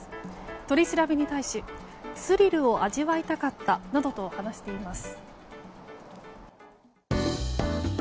取り調べに対しスリルを味わいたかったなどと話しています。